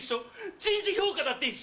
人事評価だって一緒。